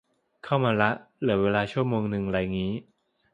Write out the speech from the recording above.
เข้ามาละ เหลือเวลาชั่วโมงนึงไรงี้